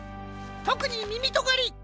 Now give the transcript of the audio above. とくにみみとがり！